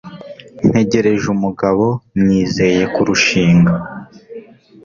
ntegereje umugabo nizeye kurushinga